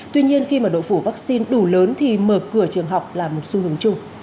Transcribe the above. tuy nhiên khi độ phủ vắc xin đủ lớn thì mở cửa trường học là một xu hướng chung